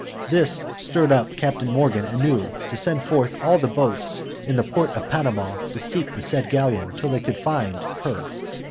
This stirred up Captain Morgan anew, to send forth all the boats in the port of Panama to seek the said galleon till they could find her.